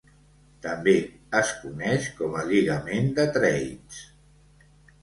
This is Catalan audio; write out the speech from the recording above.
També es coneix com el lligament de Treitz.